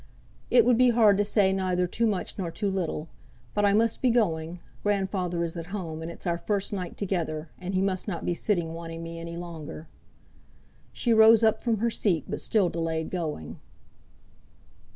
'Twould be hard to say neither too much nor too little. But I must be going, grandfather is at home, and it's our first night together, and he must not be sitting wanting me any longer." She rose up from her seat, but still delayed going.